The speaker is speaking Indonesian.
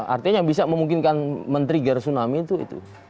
artinya yang bisa memungkinkan men trigger tsunami itu